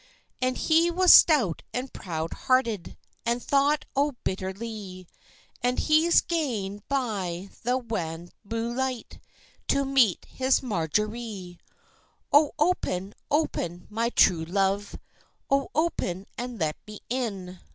And he was stout and proud hearted, And thought o't bitterlie; And he's gane by the wan moonlight, To meet his Marjorie. "Oh, open, open, my true love, Oh, open and let me in!"